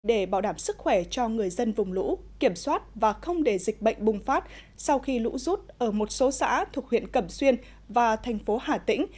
để bảo đảm sức khỏe cho người dân vùng lũ kiểm soát và không để dịch bệnh bùng phát sau khi lũ rút ở một số xã thuộc huyện cẩm xuyên và thành phố hà tĩnh